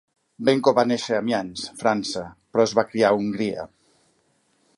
Benko va néixer a Amiens, França, però es va criar a Hungria.